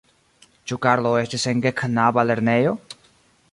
Ĉu Karlo estis en geknaba lernejo?